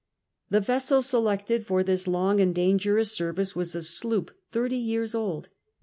The vessel selected for this long and dangerous service was a sloop, thirty years old.